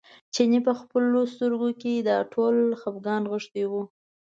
چیني په خپلو سترګو کې دا ټول خپګان نغښتی و.